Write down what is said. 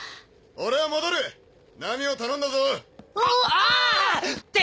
俺は戻るナミを頼んだぞおおう！って